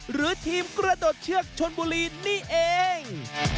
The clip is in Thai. หรือทีมกระโดดเชือกชนบุรีนี่เอง